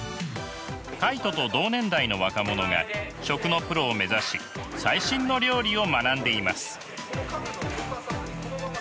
カイトと同年代の若者が食のプロを目指し最新の料理を学んでいます。